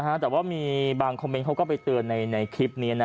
แต่ว่ามีบางคอมเมนต์เขาก็ไปเตือนในคลิปนี้นะ